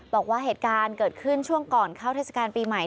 บอกว่าเหตุการณ์เกิดขึ้นช่วงก่อนเข้าเทศกาลปีใหม่